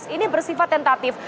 ini bersifat tentatif